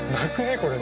これね。